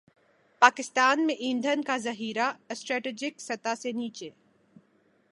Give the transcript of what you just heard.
پاکستان میں ایندھن کا ذخیرہ اسٹریٹجک سطح سے نیچے